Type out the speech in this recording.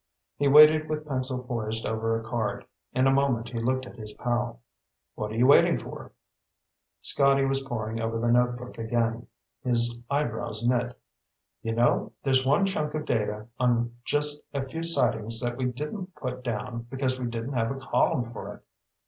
He waited with pencil poised over a card. In a moment he looked at his pal. "What are you waiting for?" Scotty was poring over the notebook again. His eyebrows knit. "You know, there's one chunk of data on just a few sightings that we didn't put down because we didn't have a column for it."